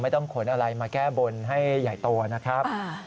ต้องขนอะไรมาแก้บนให้ใหญ่โตนะครับ